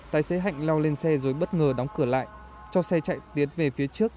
tài xế hạnh lao lên xe rồi bất ngờ đóng cửa lại cho xe chạy tiến về phía trước